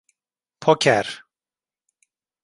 Poker…